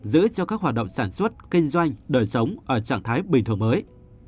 giữ cho các hoạt động sản xuất kinh doanh đời sống ở trạng thái bình thường mới